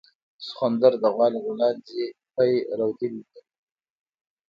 سخوندر د غوا له غولانځې پی رودلي دي